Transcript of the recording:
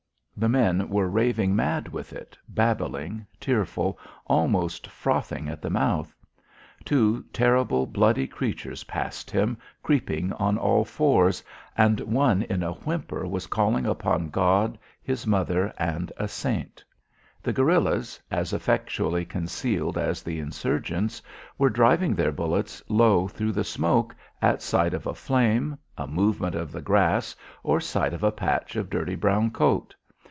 The men were raving mad with it, babbling, tearful, almost frothing at the mouth. Two terrible bloody creatures passed him, creeping on all fours, and one in a whimper was calling upon God, his mother, and a saint. The guerillas, as effectually concealed as the insurgents, were driving their bullets low through the smoke at sight of a flame, a movement of the grass or sight of a patch of dirty brown coat.